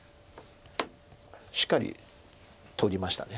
しっかり取りました。